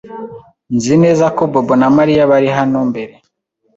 Nzi neza ko Bobo na Mariya bari hano mbere.